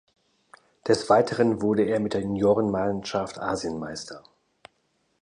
Des Weiteren wurde er mit der Juniorenmannschaft Asienmeister.